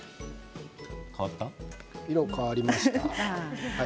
色が変わりました。